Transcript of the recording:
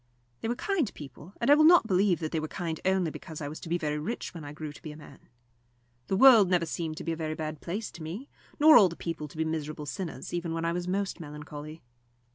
They were kind people, and I will not believe that they were kind only because I was to be very rich when I grew to be a man. The world never seemed to be a very bad place to me, nor all the people to be miserable sinners, even when I was most melancholy.